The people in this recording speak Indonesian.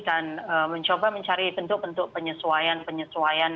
dan mencoba mencari bentuk bentuk penyesuaian penyesuaian